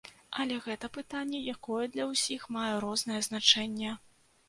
Але гэта пытанне, якое для ўсіх мае рознае значэнне.